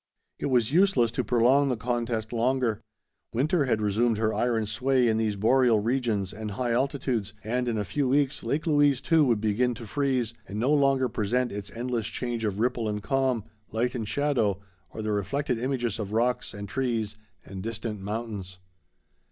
It was useless to prolong the contest longer. Winter had resumed her iron sway in these boreal regions and high altitudes, and in a few weeks Lake Louise too would begin to freeze, and no longer present its endless change of ripple and calm, light and shadow, or the reflected images of rocks and trees and distant mountains.